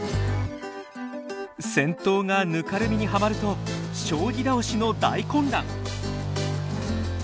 先頭がぬかるみにはまると将棋倒しの大混乱。